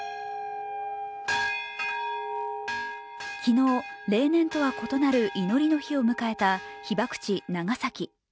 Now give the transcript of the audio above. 昨日、例年とは異なる祈りの日を迎えた被爆地・長崎。